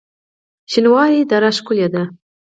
شینوارو دره ښکلې ده؟